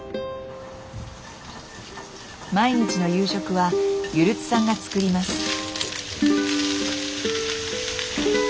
毎日の夕食はゆるつさんが作ります。